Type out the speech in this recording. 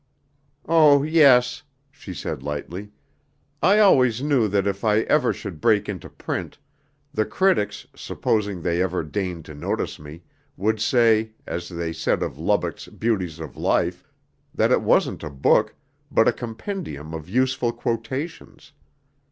"Oh, yes," she said lightly. "I always knew that if I ever should break into print, the critics, supposing they ever deigned to notice me, would say, as they said of Lubbock's 'Beauties of Life,' that it wasn't a book, but a compendium of useful quotations.